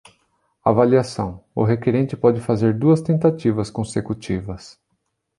Avaliação: o requerente pode fazer duas tentativas consecutivas.